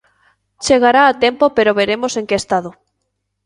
Chegará a tempo pero veremos en que estado.